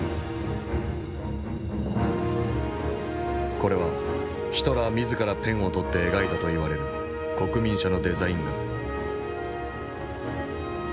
これはヒトラー自らペンを執って描いたといわれる国民車のデザイン画。